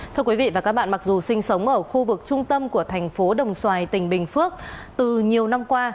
thưa quý vị và các bạn mặc dù sinh sống ở khu vực trung tâm của thành phố đồng xoài tỉnh bình phước từ nhiều năm qua